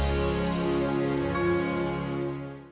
yang betul yg rotated